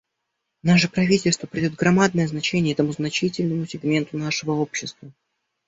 Наше правительство придает громадное значение этому значительному сегменту нашего общества.